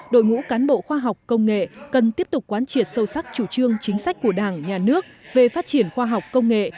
đội ngũ cán bộ khoa học công nghệ cần tiếp tục quán triệt sâu sắc chủ trương chính sách của đảng nhà nước về phát triển khoa học công nghệ